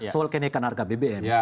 soal kenaikan harga bbm